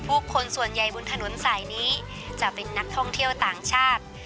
คนส่วนใหญ่บนถนนสายนี้จะเป็นนักท่องเที่ยวต่างชาติ